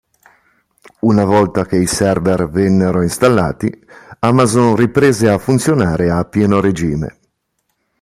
Una volta che i server vennero installati, Amazon riprese a funzionare a pieno regime.